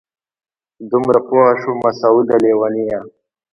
دومره پوه شومه سعوده لېونیه!